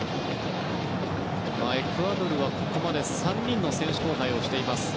エクアドルはここまで３人の選手交代をしています。